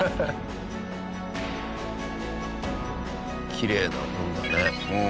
きれいなもんだね。